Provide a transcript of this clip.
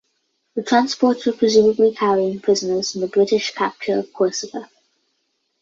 The transports were presumably carrying prisoners from the British capture of Corsica.